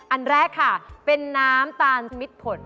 อันแรกค่ะเป็นน้ำตาลมิดผล